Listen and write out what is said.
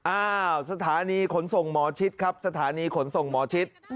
อ้าวสถานีขนส่งหมอชิดครับสถานีขนส่งหมอชิด